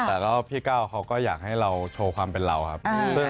แต่ก็พี่ก้าวเขาก็อยากให้เราโชว์ความเป็นเราครับ